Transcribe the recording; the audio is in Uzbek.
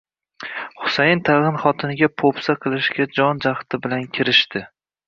Husayn tag`in xotiniga po`pisa qilishga jon-jahdi bilan kirishdi